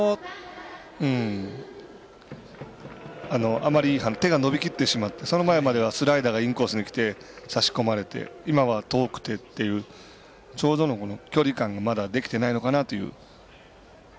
あまりに手が伸びきってしまってその前まではスライダーがインコースにきて差し込まれて今は遠くてっていうちょうどの距離感にまだできてないのかなという。